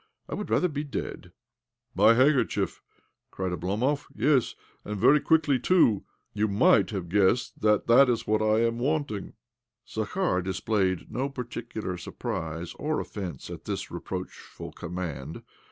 I would rather be dead 1 "" My handkerchief 1 " cried Oblomov. " Yes, and very quickly, too I You might have guessed that that is what I am wanting." Zakhar displayed no particular surprise or offence at this reproachful command.